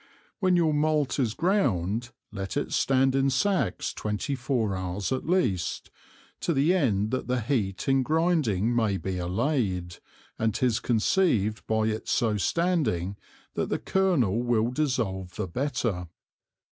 When your Malt is ground, let it stand in Sacks twenty four Hours at least, to the end that the Heat in grinding may be allayed, and 'tis conceived by its so standing that the Kernel will dissolve the better.